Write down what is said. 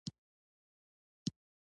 دا تمرین د بین النهرین له ښوونځي پاتې دی.